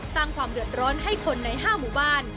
สร้างความเดือดร้อนให้คนใน๕หมู่บ้าน